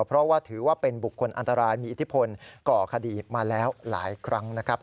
เพราะว่าถือว่าเป็นบุคคลอันตรายมีอิทธิพลก่อคดีมาแล้วหลายครั้งนะครับ